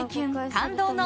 感動の